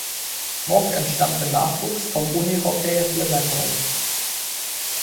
Mock entstammt dem Nachwuchs vom Unihockey Limmattal.